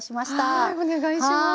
はいお願いします。